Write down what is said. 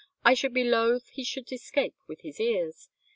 ... I should be loth he should escape with his ears